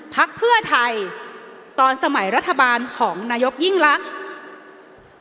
พักเพื่อไทยตอนสมัยรัฐบาลของนายกยิ่งลักษณ์